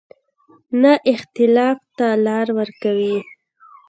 نه اختلاف ته لار ورکوي.